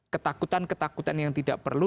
ketakutan ketakutan yang tidak perlu